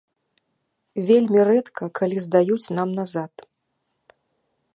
Вельмі рэдка, калі здаюць нам назад.